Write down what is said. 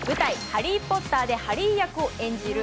「ハリー・ポッター」でハリー役を演じる